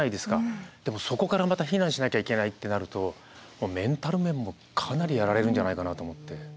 でもそこからまた避難しなきゃいけないってなるともうメンタル面もかなりやられるんじゃないかなと思って。